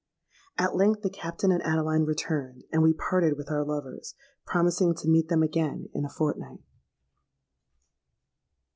At length the Captain and Adeline returned; and we parted with our lovers, promising to meet them again in a fortnight.